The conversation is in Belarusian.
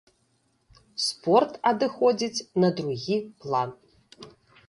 Спорт адыходзіць на другі план.